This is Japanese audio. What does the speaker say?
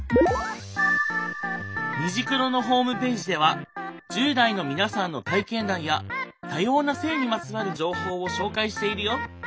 「虹クロ」のホームページでは１０代の皆さんの体験談や多様な性にまつわる情報を紹介しているよ。